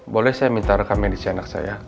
boleh saya minta rekam medis anak saya